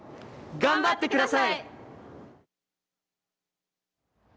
頑張って下さい！